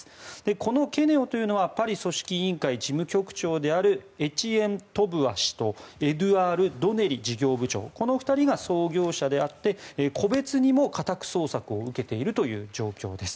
このケネオというのはパリ組織委員会事務局長であるエチエン・トブワ氏とエドゥアール・ドネリ事業部長この２人が創業者であって個別にも家宅捜索を受けているという状況です。